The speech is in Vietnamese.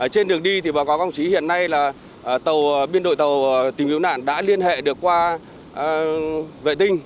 trên đường đi báo cáo công trí hiện nay là biên đội tàu tìm cứu nạn đã liên hệ được qua vệ tinh